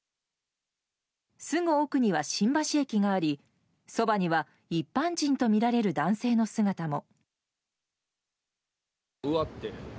すぐ奥には新橋駅がありそばには一般人とみられる男性の姿も。